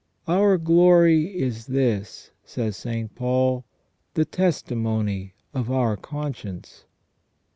" Our glory is this," says St. Paul, " the testimony of our conscience."